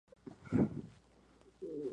El corte difusión fue "Ruge como un león".